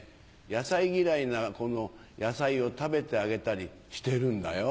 野菜嫌いな子の野菜を食べてあげたりしてるんだよ。